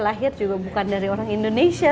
lahir juga bukan dari orang indonesia